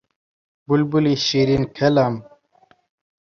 بولبولی شیرین کەلام